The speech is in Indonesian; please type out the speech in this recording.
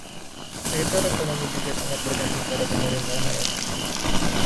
Sektor ekonomi juga sangat bergantung pada pemerintahan daerah.